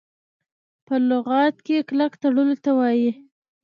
په لغت کي کلک تړلو ته وايي .